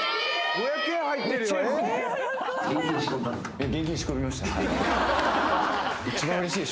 ５００円入ってるよえっ！？